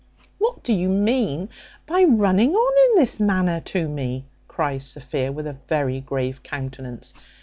"What do you mean by running on in this manner to me?" cries Sophia, with a very grave countenance.